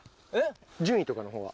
順位とかの方は。